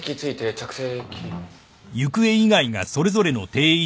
着席。